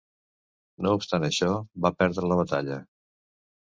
No obstant això, va perdre la batalla.